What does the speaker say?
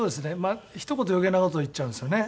ひと言余計な事を言っちゃうんですよね。